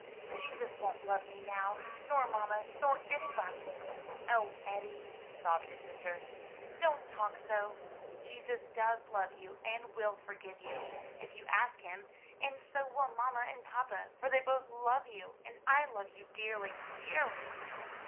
Jesus won't love me now, nor mamma nor anybody." "O Eddie," sobbed his sister, "don't talk so. Jesus does love you and will forgive you, if you ask him; and so will mamma and papa; for they both love you and I love you dearly, dearly."